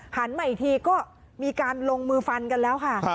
หันใหม่ทีก็มีการลงฟันกันแรวค่ะ